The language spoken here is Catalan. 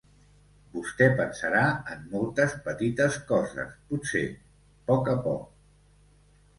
Vostè pensarà en moltes petites coses, potser, poc a poc.